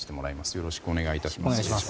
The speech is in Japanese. よろしくお願いします。